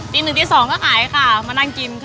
ตีนึงตีสองก็ให้ก่ะมานั่งกินค่ะ